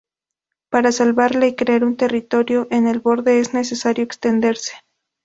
Para salvarla y crear un territorio en el borde, es necesario "extenderse".